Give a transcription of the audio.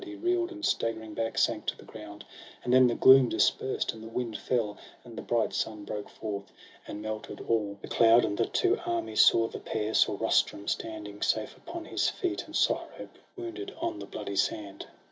He reel'd, and staggering back, sank to the ground ; And then the gloom dispersed, and the wind fell, And the bright sun broke forth, and melted all The cloud; and the two armies saw the pair; — Saw Rustum standing, safe upon his feet, And Sohrab, wounded, on the bloody sand.